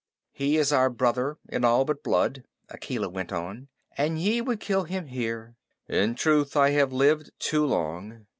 "He is our brother in all but blood," Akela went on, "and ye would kill him here! In truth, I have lived too long.